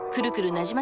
なじま